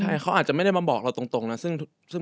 ใช่อาจจะไม่ได้มาบอกเราตรงเนาะซึ่ง